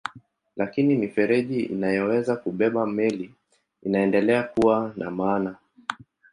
Lakini mifereji inayoweza kubeba meli inaendelea kuwa na maana.